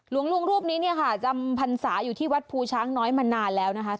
หลวงลุงรูปนี้เนี่ยค่ะจำพรรษาอยู่ที่วัดภูช้างน้อยมานานแล้วนะคะ